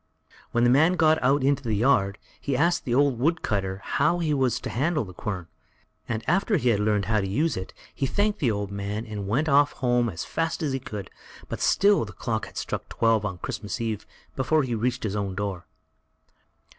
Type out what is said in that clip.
When the man got out into the yard, he asked the old woodcutter how he was to handle the quern; and after he had learned how to use it, he thanked the old man and went off home as fast as he could, but still the clock had struck twelve on Christmas eve before he reached his own door.